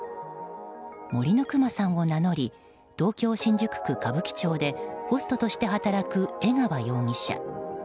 森のくまさんを名乗り東京・新宿区歌舞伎町でホストとして働く江川容疑者。